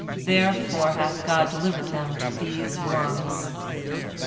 Therefore bath God delivered them to these worms."